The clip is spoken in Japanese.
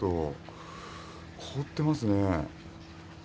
凍ってますね。